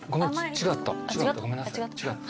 違ったごめんなさい違った。